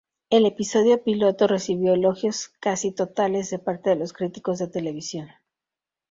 El episodio piloto recibió elogios casi totales de parte de los críticos de televisión.